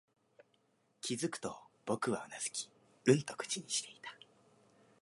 気づくと、僕はうなずき、うんと口にしていた